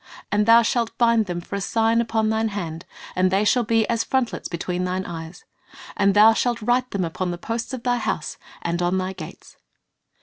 And thou shalt bind them for a sign upon thine hand, and they shall be as frontlets between thine eyes. And thou shalt write them upon the posts of thy house, and on thy gates."